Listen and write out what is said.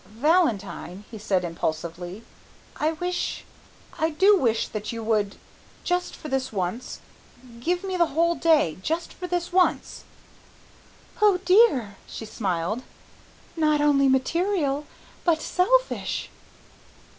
"Valentine," he said impulsively, "I wish, I do wish that you would, just for this once, give me the whole day, just for this once." "Oh dear," she smiled, "not only material, but selfish!"